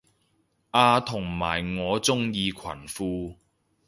啊同埋我鍾意裙褲